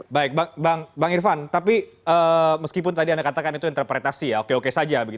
baik bang irvan tapi meskipun tadi anda katakan itu interpretasi ya oke oke saja